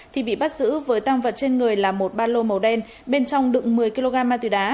thì bị bắt giữ với tăng vật trên người là một ba lô màu đen bên trong đựng một mươi kg ma túy đá